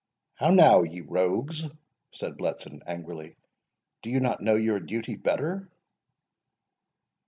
"How now, ye rogues," said Bletson, angrily; "do you not know your duty better?"